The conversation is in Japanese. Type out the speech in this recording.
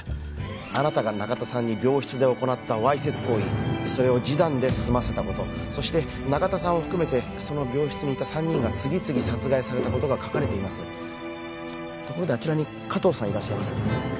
あなたが中田さんに病室で行ったわいせつ行為それを示談で済ませたことそして中田さんを含めてその病室にいた三人が次々殺害されたことが書かれていますところであちらに加藤さんいらっしゃいます